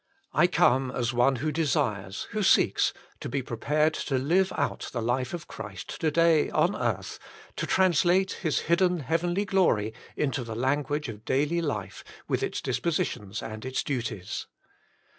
I come as one who desires, who seeks, to be prepared to live out the life of Christ to day on earth, to translate His hidden heavenly glory, into the language of daily life, vtdth its disposi tions and its duties.